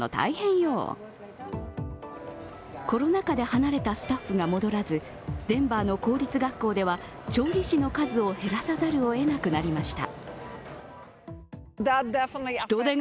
コロナ禍で離れたスタッフが戻らず、デンバーの公立学校では調理師の数を減らさざるをえなくなりました。